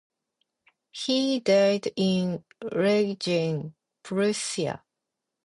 He died in Lingen, Prussia.